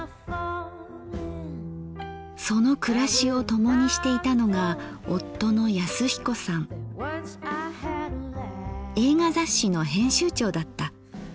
その暮らしを共にしていたのが映画雑誌の編集長だった。